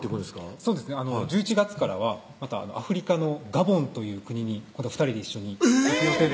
そうですね１１月からはまたアフリカのガボンという国に今度は２人で一緒にえぇ！